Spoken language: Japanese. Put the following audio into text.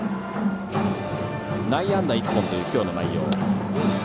内野安打１本という今日の内容。